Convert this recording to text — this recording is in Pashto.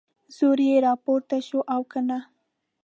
زوی یې راپورته شوی او که نه؟